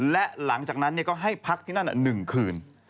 และหลังจากนั้นก็ให้พักที่นั่น๑คืน